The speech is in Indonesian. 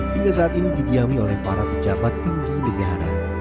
hingga saat ini didiami oleh para pejabat tinggi negara